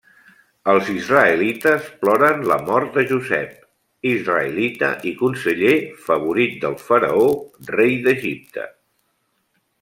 Els israelites ploren la mort de Josep, israelita i conseller favorit del faraó, rei d'Egipte.